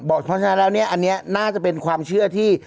เพราะฉะนั้นแล้วเนี่ยอันนี้น่าจะเป็นความเชื่อที่